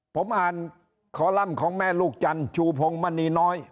ผมอ่านคอลัมป์ของแม่ลูกจันทร์ชูพงมณีน้อย